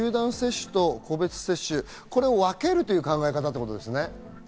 集団接種と個別接種、これを分けるという考え方ということですね。